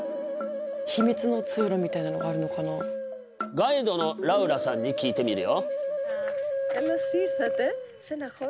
ガイドのラウラさんに聞いてみるよ。